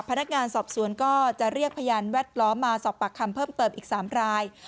พนักงานสอบสวนก็จะเรียกพยานแวดล้อมมาสอบปากคำเพิ่มเติมอีก๓ราย